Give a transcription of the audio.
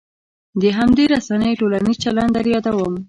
د همدې رسنیو ټولنیز چلن در یادوم.